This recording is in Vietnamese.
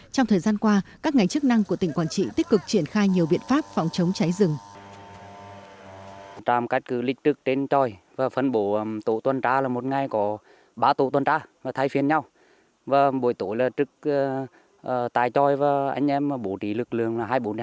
trong thời gian qua các ngành chức năng của tỉnh quảng trị tích cực triển khai nhiều biện pháp phòng chống cháy rừng